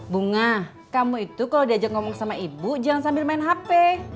bunga kamu itu kalau diajak ngomong sama ibu jangan sambil main hp